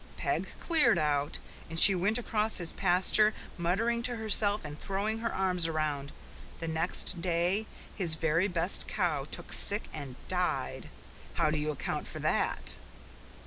Peg cleared out, and she went across his pasture, muttering to herself and throwing her arms round. And next day his very best cow took sick and died. How do you account for that?"